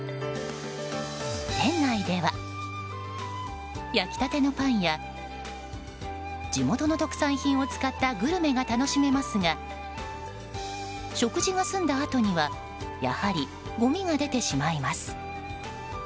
店内では焼きたてのパンや地元の特産品を使ったグルメが楽しめますが食事が済んだあとにはやはりごみが出てしまいます。